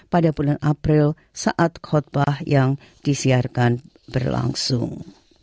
pada bulan april saat khutbah yang disiarkan berlangsung